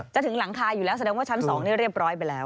ถึงหลังคาอยู่แล้วแสดงว่าชั้น๒นี่เรียบร้อยไปแล้ว